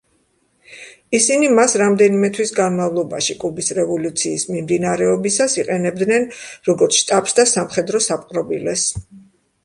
ისინი მას რამდენიმე თვის განმავლობაში, კუბის რევოლუციის მიმდინარეობისას, იყენებდნენ როგორც შტაბს და სამხედრო საპყრობილეს.